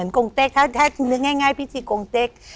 กงเต็กถ้านึกง่ายพิธีกงเต็ก